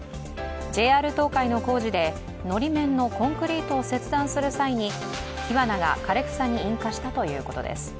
ＪＲ東海の工事でのり面のコンクリートを切断する際に火花が枯れ草に引火したということです。